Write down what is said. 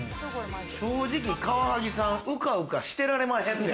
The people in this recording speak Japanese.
正直カワハギさん、うかうかしてられまへんで。